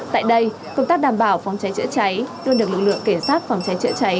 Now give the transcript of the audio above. tại đây công tác đảm bảo phòng cháy chữa cháy luôn được lực lượng cảnh sát phòng cháy chữa cháy